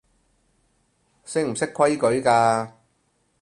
識唔識規矩㗎